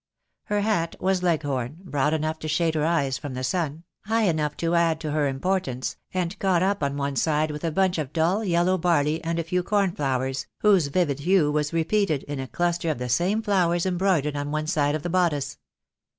Her hat was Leghorn, broad enough to shade her eyes from the sun, high enough to add to her importance, and caught up on one side with a bunch of dull yellow barley and a few cornflowers, whose vivid hue was repeated in a cluster of the same flowers em broidered on one side of the bodice.